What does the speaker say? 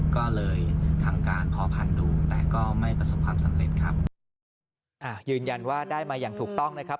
ก็เลยทำการขอพันธุ์ดูแต่ก็ไม่ประสบความสำเร็จครับอ่ายืนยันว่าได้มาอย่างถูกต้องนะครับ